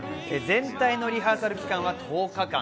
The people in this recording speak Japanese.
全体のリハーサル期間は１０日間。